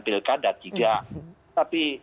pilkada juga tapi